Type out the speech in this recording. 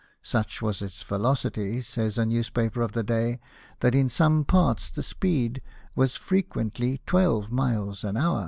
" Such was its velocity," says a newspaper ol the day, " that in some parts the speed was frequently twelve miles an hour."